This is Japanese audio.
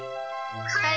はい！